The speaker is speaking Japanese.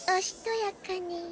しとやかに。